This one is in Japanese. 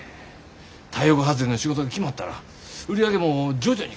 太陽光発電の仕事が決まったら売り上げも徐々に回復してくはずや。